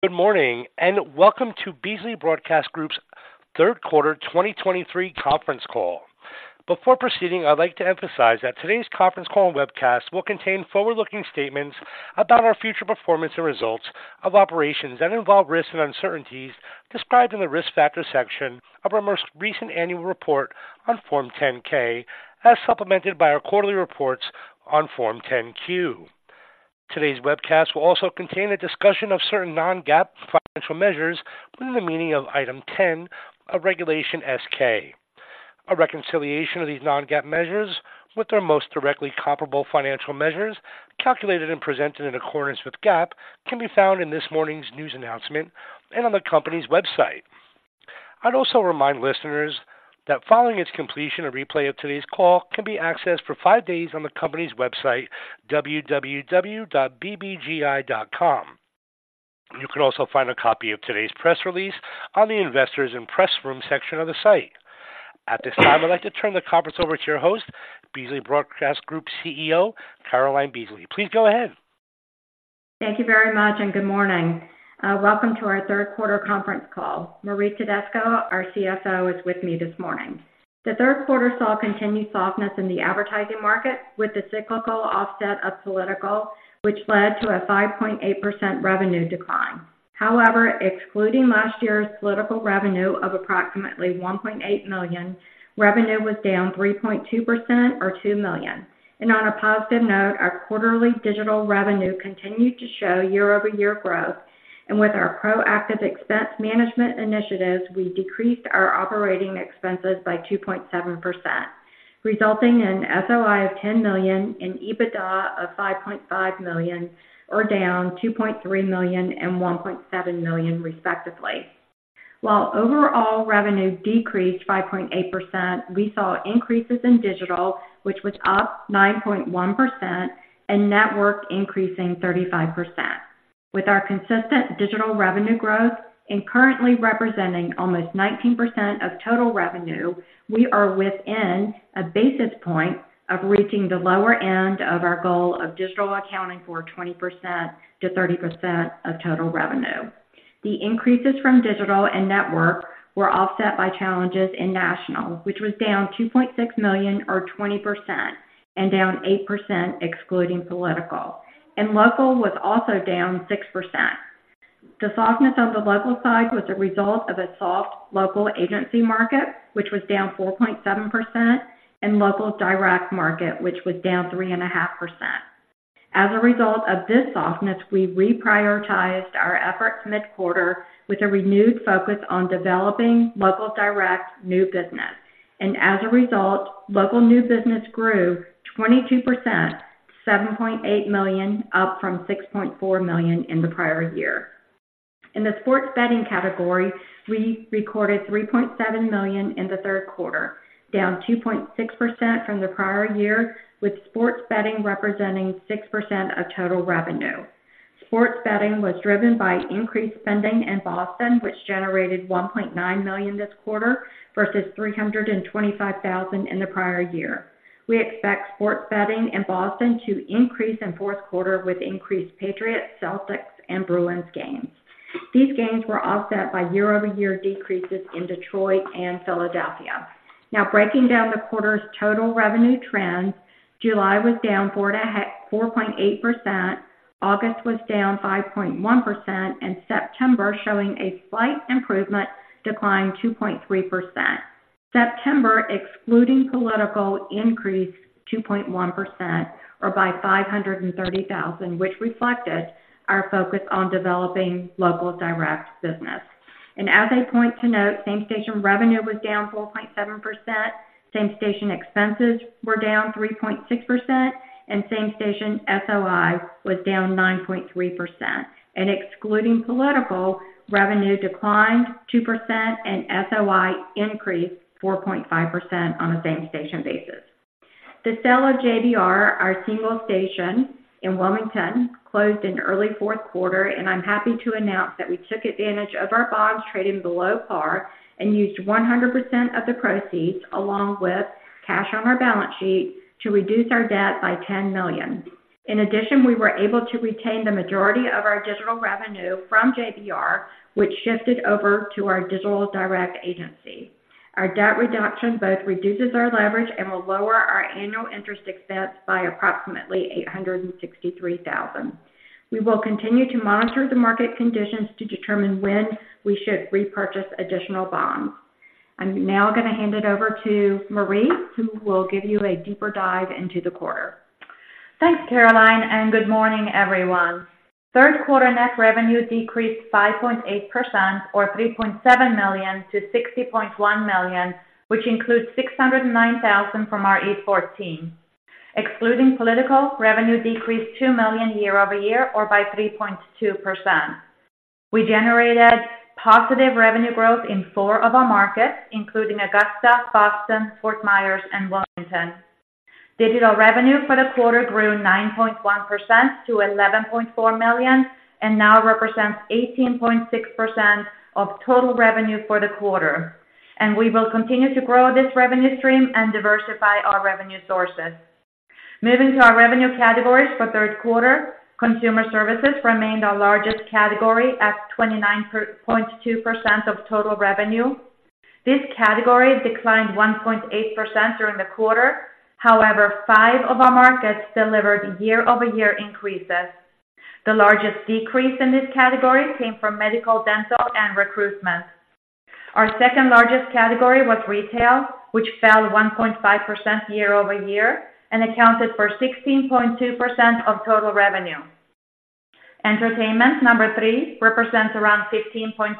Good morning, and welcome to Beasley Broadcast Group's third quarter 2023 conference call. Before proceeding, I'd like to emphasize that today's conference call and webcast will contain forward-looking statements about our future performance and results of operations that involve risks and uncertainties described in the Risk Factors section of our most recent annual report on Form 10-K, as supplemented by our quarterly reports on Form 10-Q. Today's webcast will also contain a discussion of certain non-GAAP financial measures within the meaning of Item 10 of Regulation S-K. A reconciliation of these non-GAAP measures with their most directly comparable financial measures, calculated and presented in accordance with GAAP, can be found in this morning's news announcement and on the company's website. I'd also remind listeners that following its completion, a replay of today's call can be accessed for five days on the company's website, www.bbgi.com. You can also find a copy of today's press release on the Investors and Press Room section of the site. At this time, I'd like to turn the conference over to your host, Beasley Broadcast Group CEO, Caroline Beasley. Please go ahead. Thank you very much and good morning. Welcome to our third quarter conference call. Marie Tedesco, our CFO, is with me this morning. The third quarter saw continued softness in the advertising market, with the cyclical offset of political, which led to a 5.8% revenue decline. However, excluding last year's political revenue of approximately $1.8 million, revenue was down 3.2%, or $2 million. And on a positive note, our quarterly digital revenue continued to show year-over-year growth, and with our proactive expense management initiatives, we decreased our operating expenses by 2.7%, resulting in an SOI of $10 million and EBITDA of $5.5 million, or down $2.3 million and $1.7 million, respectively. While overall revenue decreased by 0.8%, we saw increases in digital, which was up 9.1%, and network increasing 35%. With our consistent digital revenue growth and currently representing almost 19% of total revenue, we are within a basis point of reaching the lower end of our goal of digital accounting for 20%-30% of total revenue. The increases from digital and network were offset by challenges in national, which was down $2.6 million, or 20%, and down 8% excluding political, and local was also down 6%. The softness on the local side was a result of a soft local agency market, which was down 4.7%, and local direct market, which was down 3.5%. As a result of this softness, we reprioritized our efforts mid-quarter with a renewed focus on developing local direct new business, and as a result, local new business grew 22%, $7.8 million, up from $6.4 million in the prior year. In the sports betting category, we recorded $3.7 million in the third quarter, down 2.6% from the prior year, with sports betting representing 6% of total revenue. Sports betting was driven by increased spending in Boston, which generated $1.9 million this quarter versus $325,000 in the prior year. We expect sports betting in Boston to increase in fourth quarter with increased Patriots, Celtics, and Bruins games. These gains were offset by year-over-year decreases in Detroit and Philadelphia. Now, breaking down the quarter's total revenue trends, July was down 4%-4.8%, August was down 5.1%, and September, showing a slight improvement, declined 2.3%. September, excluding political, increased 2.1% or by $530,000, which reflected our focus on developing local direct business. And as a point to note, same-station revenue was down 4.7%, same-station expenses were down 3.6%, and same-station SOI was down 9.3%, and excluding political, revenue declined 2%, and SOI increased 4.5% on a same-station basis. The sale of JBR, our single station in Wilmington, closed in early fourth quarter, and I'm happy to announce that we took advantage of our bonds trading below par and used 100% of the proceeds, along with cash on our balance sheet, to reduce our debt by $10 million. In addition, we were able to retain the majority of our digital revenue from JBR, which shifted over to our digital direct agency. Our debt reduction both reduces our leverage and will lower our annual interest expense by approximately $863,000. We will continue to monitor the market conditions to determine when we should repurchase additional bonds. I'm now going to hand it over to Marie, who will give you a deeper dive into the quarter. Thanks, Caroline, and good morning, everyone. Third quarter net revenue decreased 5.8%, or $3.7 million to $60.1 million, which includes $609,000 from our eSports team. Excluding political, revenue decreased $2 million year-over-year or by 3.2%. We generated positive revenue growth in four of our markets, including Augusta, Boston, Fort Myers, and Wilmington. Digital revenue for the quarter grew 9.1% to $11.4 million and now represents 18.6% of total revenue for the quarter. We will continue to grow this revenue stream and diversify our revenue sources.... Moving to our revenue categories for third quarter, consumer services remained our largest category at 29.2% of total revenue. This category declined 1.8% during the quarter. However, five of our markets delivered year-over-year increases. The largest decrease in this category came from medical, dental, and recruitment. Our second-largest category was retail, which fell 1.5% year-over-year and accounted for 16.2% of total revenue. Entertainment, number three, represents around 15.2%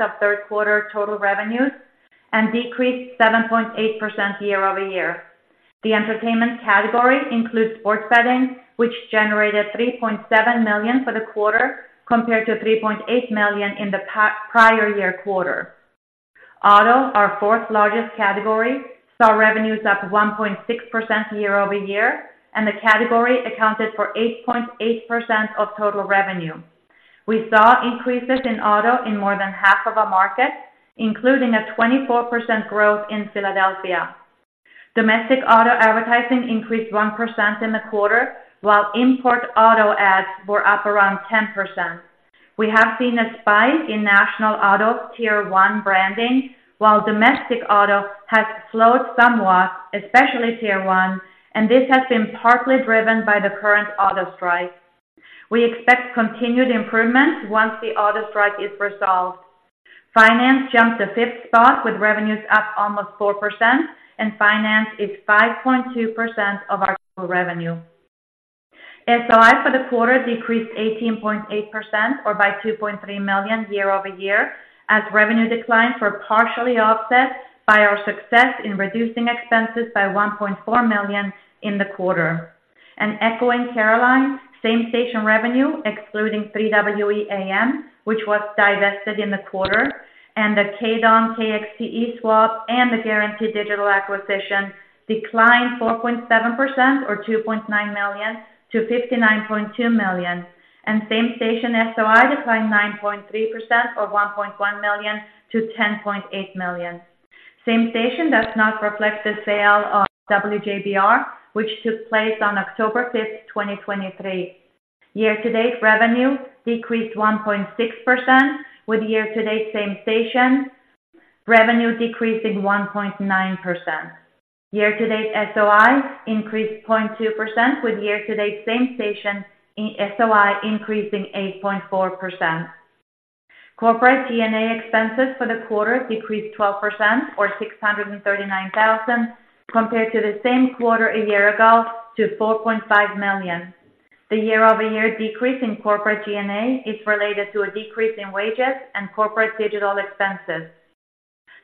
of third quarter total revenues and decreased 7.8% year-over-year. The entertainment category includes sports betting, which generated $3.7 million for the quarter, compared to $3.8 million in the prior year quarter. Auto, our fourth largest category, saw revenues up 1.6% year-over-year, and the category accounted for 8.8% of total revenue. We saw increases in auto in more than half of our markets, including a 24% growth in Philadelphia. Domestic auto advertising increased 1% in the quarter, while import auto ads were up around 10%. We have seen a spike in national auto tier one branding, while domestic auto has slowed somewhat, especially tier one, and this has been partly driven by the current auto strike. We expect continued improvements once the auto strike is resolved. Finance jumped the fifth spot, with revenues up almost 4%, and finance is 5.2% of our total revenue. SOI for the quarter decreased 18.8% or by $2.3 million year-over-year, as revenue declines were partially offset by our success in reducing expenses by $1.4 million in the quarter. And echoing Caroline, same-station revenue, excluding the [WEAM, which was divested in the quarter, and the KDON/KTGE swap and the Guarantee Digital acquisition, declined 4.7% or $2.9 million to $59.2 million. Same-station SOI declined 9.3% or $1.1 million to $10.8 million. Same-station does not reflect the sale of WJBR, which took place on October 5, 2023. Year-to-date revenue decreased 1.6%, with year-to-date same-station revenue decreasing 1.9%. Year-to-date SOI increased 0.2%, with year-to-date same-station SOI increasing 8.4%. Corporate G&A expenses for the quarter decreased 12% or $639 thousand, compared to the same quarter a year ago to $4.5 million. The year-over-year decrease in corporate G&A is related to a decrease in wages and corporate digital expenses.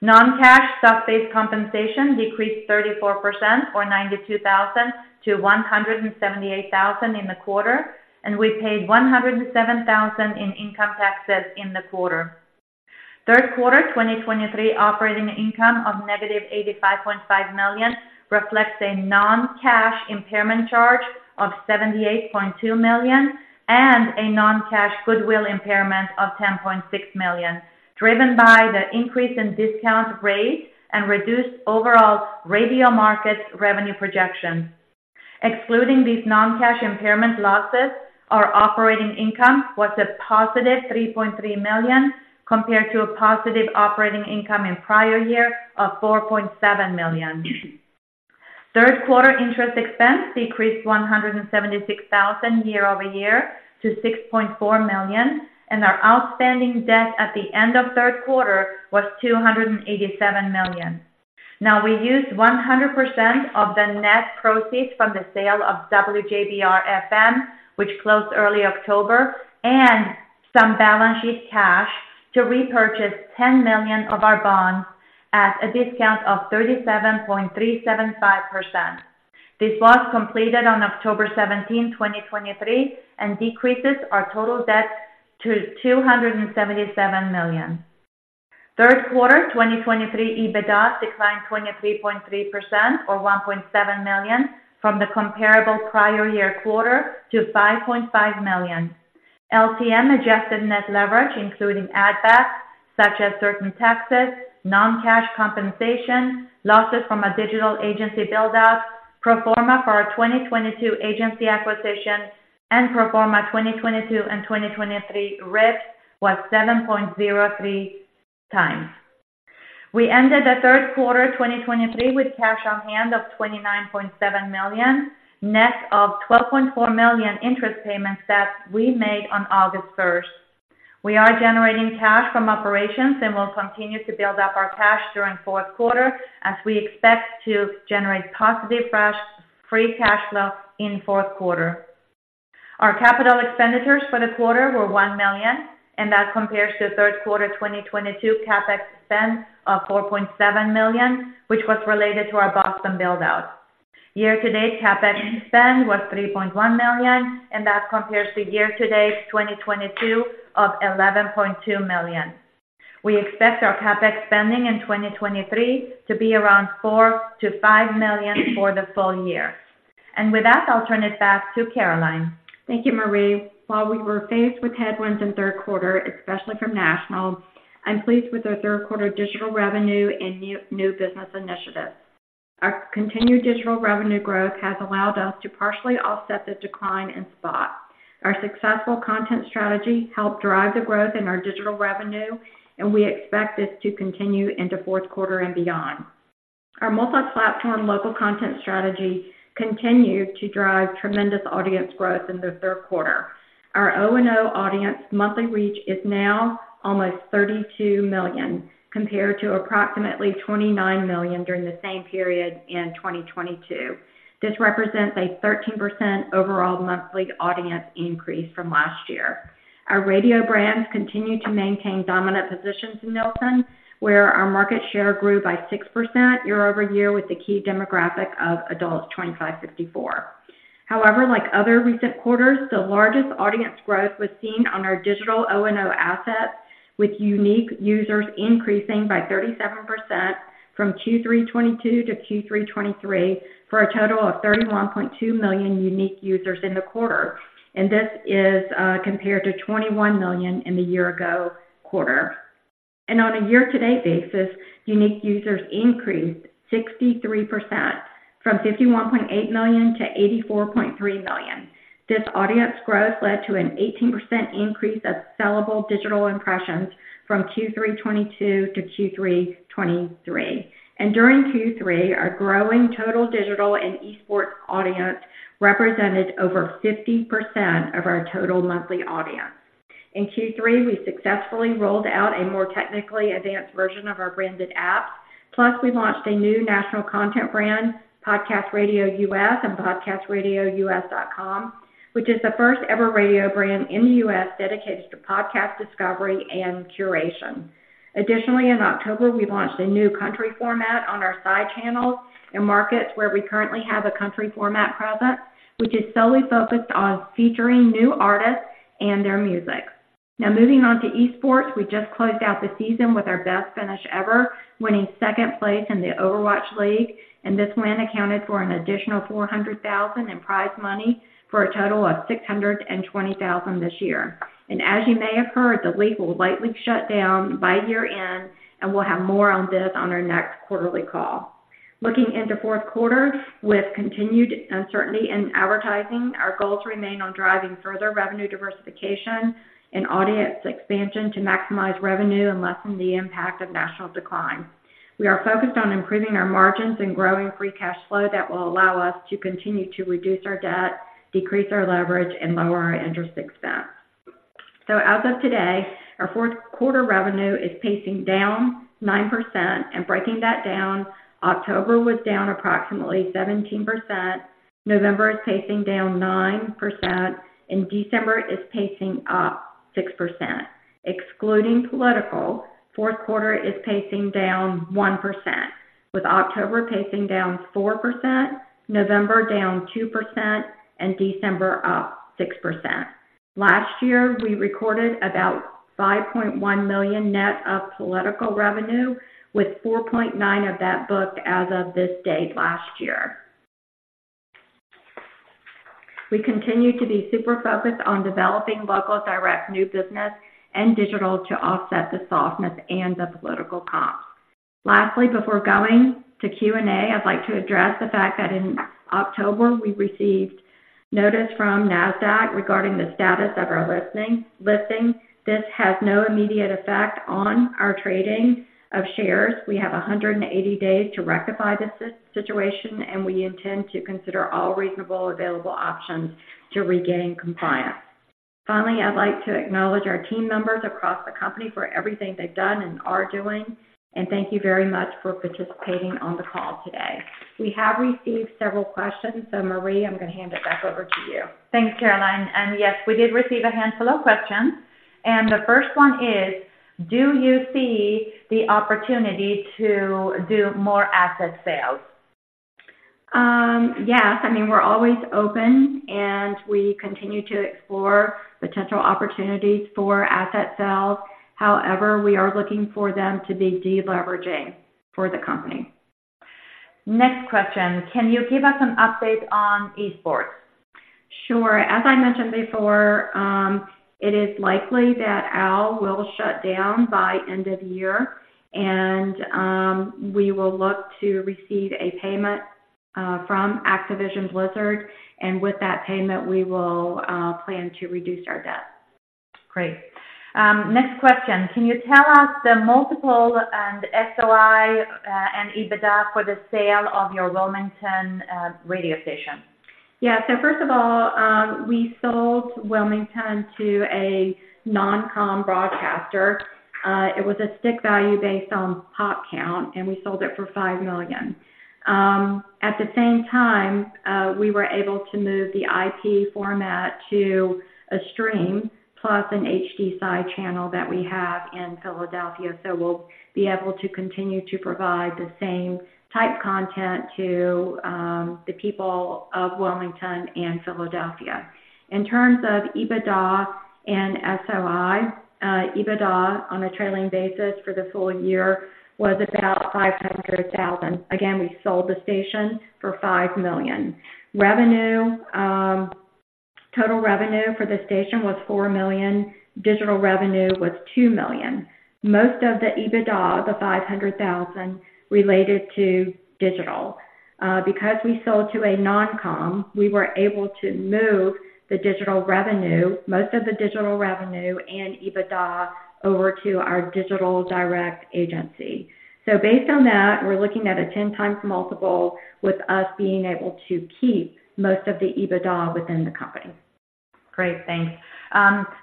Non-cash stock-based compensation decreased 34% or $92 thousand to $178 thousand in the quarter, and we paid $107 thousand in income taxes in the quarter. Third quarter 2023 operating income of negative $85.5 million reflects a non-cash impairment charge of $78.2 million and a non-cash goodwill impairment of $10.6 million, driven by the increase in discount rates and reduced overall radio market revenue projections. Excluding these non-cash impairment losses, our operating income was a positive $3.3 million, compared to a positive operating income in prior year of $4.7 million. Third quarter interest expense decreased $176,000 year-over-year to $6.4 million, and our outstanding debt at the end of third quarter was $287 million. Now, we used 100% of the net proceeds from the sale of WJBR-FM, which closed early October, and some balance sheet cash to repurchase $10 million of our bonds at a discount of 37.375%. This was completed on October 17, 2023, and decreases our total debt to $277 million. Third quarter 2023, EBITDA declined 23.3% or $1.7 million from the comparable prior year quarter to $5.5 million. LTM adjusted net leverage, including add backs, such as certain taxes, non-cash compensation, losses from a digital agency build out, pro forma for our 2022 agency acquisition and pro forma 2022 and 2023 RIF, was 7.03x. We ended the third quarter 2023 with cash on hand of $29.7 million, net of $12.4 million interest payments that we made on August 1. We are generating cash from operations and will continue to build up our cash during fourth quarter as we expect to generate positive free cash flow in fourth quarter. Our capital expenditures for the quarter were $1 million, and that compares to third quarter 2022 CapEx spend of $4.7 million, which was related to our Boston build out. Year-to-date CapEx spend was $3.1 million, and that compares to year-to-date 2022 of $11.2 million. We expect our CapEx spending in 2023 to be around $4-$5 million for the full year. With that, I'll turn it back to Caroline. Thank you, Marie. While we were faced with headwinds in third quarter, especially from national, I'm pleased with our third quarter digital revenue and new business initiatives. Our continued digital revenue growth has allowed us to partially offset the decline in spot. Our successful content strategy helped drive the growth in our digital revenue, and we expect this to continue into fourth quarter and beyond. Our multi-platform local content strategy continued to drive tremendous audience growth in the third quarter. Our O&O audience monthly reach is now almost 32 million, compared to approximately 29 million during the same period in 2022. This represents a 13% overall monthly audience increase from last year. Our radio brands continue to maintain dominant positions in Nielsen, where our market share grew by 6% year-over-year with the key demographic of adults 25-54. However, like other recent quarters, the largest audience growth was seen on our digital O&O assets, with unique users increasing by 37% from Q3 2022 to Q3 2023, for a total of 31.2 million unique users in the quarter. And this is compared to 21 million in the year ago quarter. And on a year-to-date basis, unique users increased 63% from 51.8 million to 84.3 million. This audience growth led to an 18% increase of sellable digital impressions from Q3 2022 to Q3 2023. And during Q3, our growing total digital and eSports audience represented over 50% of our total monthly audience. In Q3, we successfully rolled out a more technically advanced version of our branded app, plus we launched a new national content brand, Podcast Radio U.S. and podcastradiou.com, which is the first-ever radio brand in the U.S. dedicated to podcast discovery and curation. Additionally, in October, we launched a new country format on our side channels in markets where we currently have a country format presence, which is solely focused on featuring new artists and their music. Now, moving on to eSports, we just closed out the season with our best finish ever, winning second place in the Overwatch League, and this win accounted for an additional $400,000 in prize money for a total of $620,000 this year. As you may have heard, the league will likely shut down by year-end, and we'll have more on this on our next quarterly call. Looking into fourth quarter, with continued uncertainty in advertising, our goals remain on driving further revenue diversification and audience expansion to maximize revenue and lessen the impact of national decline. We are focused on improving our margins and growing free cash flow that will allow us to continue to reduce our debt, decrease our leverage, and lower our interest expense. As of today, our fourth quarter revenue is pacing down 9%. Breaking that down, October was down approximately 17%, November is pacing down 9%, and December is pacing up 6%. Excluding political, fourth quarter is pacing down 1%, with October pacing down 4%, November down 2%, and December up 6%. Last year, we recorded about $5.1 million net of political revenue, with $4.9 million of that booked as of this date last year. We continue to be super focused on developing local direct new business and digital to offset the softness and the political costs. Lastly, before going to Q&A, I'd like to address the fact that in October, we received notice from NASDAQ regarding the status of our listing. This has no immediate effect on our trading of shares. We have 180 days to rectify this situation, and we intend to consider all reasonable available options to regain compliance. Finally, I'd like to acknowledge our team members across the company for everything they've done and are doing. Thank you very much for participating on the call today. We have received several questions, so Marie, I'm going to hand it back over to you. Thanks, Caroline. Yes, we did receive a handful of questions, and the first one is: Do you see the opportunity to do more asset sales? Yes. I mean, we're always open, and we continue to explore potential opportunities for asset sales. However, we are looking for them to be deleveraging for the company. Next question: Can you give us an update on eSports? Sure. As I mentioned before, it is likely that OWL will shut down by end of year, and we will look to receive a payment from Activision Blizzard, and with that payment, we will plan to reduce our debt. Great. Next question: Can you tell us the multiple and SOI, and EBITDA for the sale of your Wilmington radio station? Yeah. So first of all, we sold Wilmington to a non-com broadcaster. It was a stick value based on pop count, and we sold it for $5 million. At the same time, we were able to move the WJBR format to a stream, plus an HD side channel that we have in Philadelphia. So we'll be able to continue to provide the same type content to the people of Wilmington and Philadelphia. In terms of EBITDA and SOI, EBITDA on a trailing basis for the full year was about $500,000. Again, we sold the station for $5 million. Total revenue for the station was $4 million. Digital revenue was $2 million. Most of the EBITDA, the $500,000, related to digital. Because we sold to a non-com, we were able to move the digital revenue, most of the digital revenue and EBITDA over to our digital direct agency. So based on that, we're looking at a 10x multiple, with us being able to keep most of the EBITDA within the company. Great, thanks.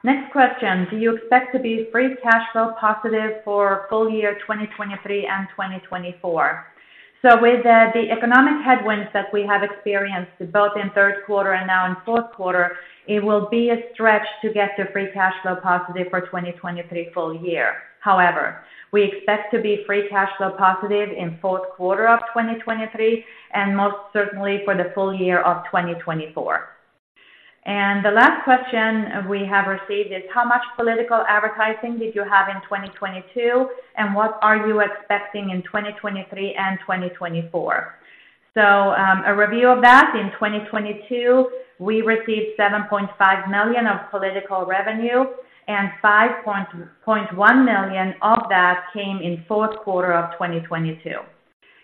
Next question: Do you expect to be Free Cash Flow positive for full year 2023 and 2024? So with the economic headwinds that we have experienced, both in third quarter and now in fourth quarter, it will be a stretch to get to Free Cash Flow positive for 2023 full year. However, we expect to be Free Cash Flow positive in fourth quarter of 2023 and most certainly for the full year of 2024. The last question we have received is: How much political advertising did you have in 2022, and what are you expecting in 2023 and 2024? So, a review of that, in 2022, we received $7.5 million of political revenue, and $5.1 million of that came in fourth quarter of 2022.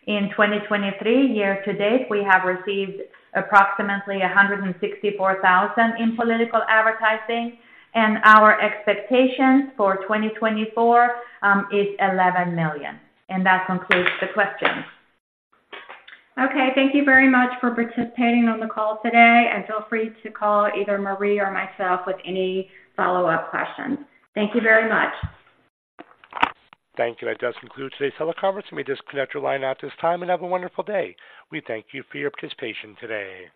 In 2023, year to date, we have received approximately $164,000 in political advertising, and our expectations for 2024 is $11 million. That concludes the questions. Okay, thank you very much for participating on the call today, and feel free to call either Marie or myself with any follow-up questions. Thank you very much. Thank you. That does conclude today's teleconference. You may disconnect your line at this time and have a wonderful day. We thank you for your participation today.